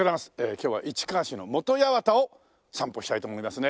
今日は市川市の本八幡を散歩したいと思いますね。